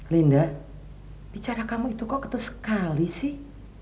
linda bicara kamu itu kok ketut sekali sih